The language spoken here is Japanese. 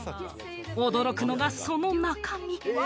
驚くのがその中身。